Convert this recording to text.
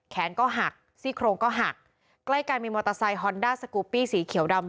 แขนก็หักซี่โครงก็หักใกล้กันมีมอเตอร์ไซคอนด้าสกูปปี้สีเขียวดำ